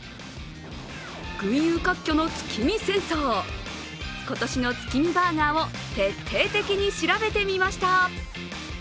群雄割拠の月見戦争、今年の月見バーガーを徹底的に調べてみました